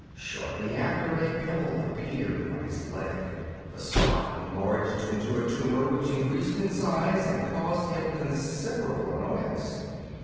Shortly after a pimple appeared on his leg ; the spot en larged into a tumour, which increased in size and caused him considerable annoyance.